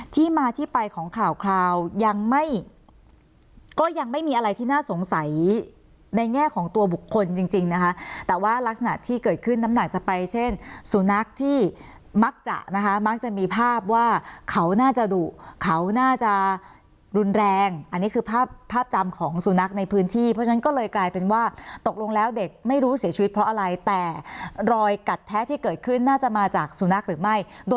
ที่มาที่ไปของข่าวคราวยังไม่ก็ยังไม่มีอะไรที่น่าสงสัยในแง่ของตัวบุคคลจริงจริงนะคะแต่ว่ารักษณะที่เกิดขึ้นน้ำหนักจะไปเช่นสุนัขที่มักจะนะคะมักจะมีภาพว่าเขาน่าจะดุเขาน่าจะรุนแรงอันนี้คือภาพภาพจำของสุนัขในพื้นที่เพราะฉะนั้นก็เลยกลายเป็นว่าตกลงแล้วเด็กไม่รู้เสียชีวิตเพราะอะไรแต่รอยกัดแท้ที่เกิดขึ้นน่าจะมาจากสุนัขหรือไม่โดย